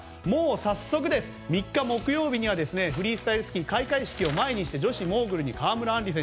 もう早速３日木曜日にはフリースタイルスキー開会式を前にして女子モーグルに川村あん